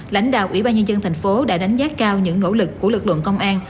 lãnh đạo ủy ban nhân dân thành phố đã đánh giá cao những nỗ lực của lực lượng công an